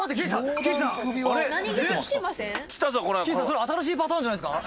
それ新しいパターンじゃないですか？」